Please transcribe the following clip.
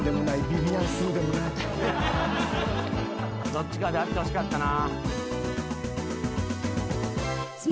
どっちかであってほしかったな。